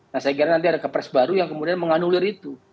nah saya kira nanti ada kepres baru yang kemudian menganulir itu